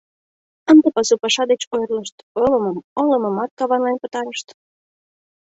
Ынде пасу паша деч ойырлышт, олымымат каванлен пытарышт.